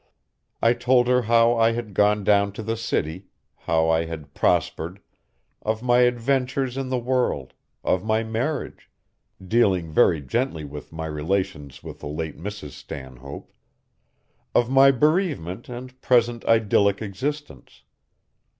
I told her how I had gone down to the city, how I had prospered, of my adventures in the world, of my marriage dealing very gently with my relations with the late Mrs. Stanhope of my bereavement and present idyllic existence.